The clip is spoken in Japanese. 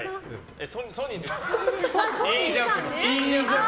ソニンです。